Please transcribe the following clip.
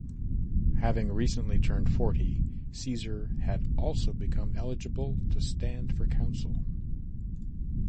Having recently turned forty, Caesar had also become eligible to stand for consul.